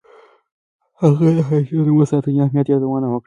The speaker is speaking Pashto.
هغې د حیاتي تنوع ساتنې اهمیت یادونه وکړه.